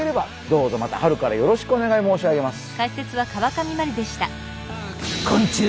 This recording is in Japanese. どうぞまた春からよろしくお願い申し上げます。